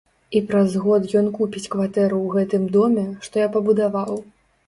І праз год ён купіць кватэру ў гэтым доме, што я пабудаваў.